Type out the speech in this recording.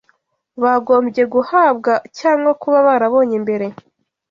bagombye guhabwa cyangwa kuba barabonye mbere